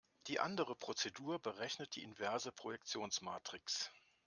Die andere Prozedur berechnet die inverse Projektionsmatrix.